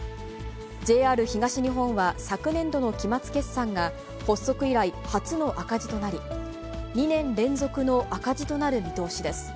ＪＲ東日本は、昨年度の期末決算が発足以来初の赤字となり、２年連続の赤字となる見通しです。